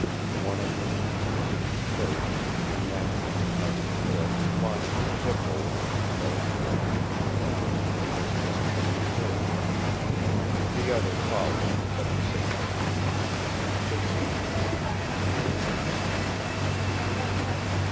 One of them, who ascended first, in landing at the top of the cliff lost his foothold and fell below. He was instantly killed. The other followed, but in safety. The chief came next, and I came last.